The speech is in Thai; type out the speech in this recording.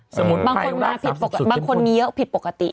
สมุนไพรบางคนมีเยอะผิดปกติ